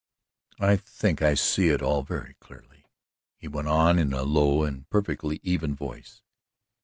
"I think I see it all very clearly," he went on, in a low and perfectly even voice.